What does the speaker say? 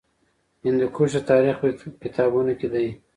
هندوکش د تاریخ په کتابونو کې دی.